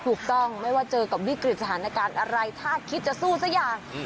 ถูกต้องไม่ว่าเจอกับวิกฤตสถานการณ์อะไรถ้าคิดจะสู้สักอย่าง